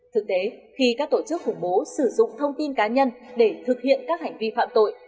thực tế khi các tổ chức khủng bố sử dụng thông tin cá nhân để thực hiện các hành vi phạm tội